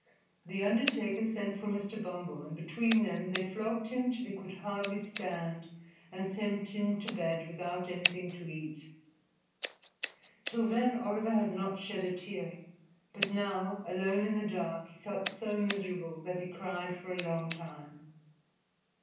The undertaker sent for Mr. Bumble, and between them they flogged him till he could hardly stand and sent him to bed without anything to eat. Till then Oliver had not shed a tear, but now, alone in the dark, he felt so miserable that he cried for a long time.